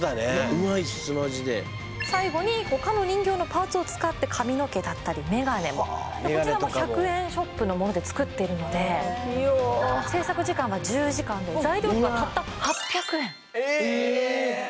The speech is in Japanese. うまいっすマジで最後にほかの人形のパーツを使って髪の毛だったりメガネもこちらも１００円ショップのもので作っているので制作時間は１０時間で材料費がたった８００円えーっ？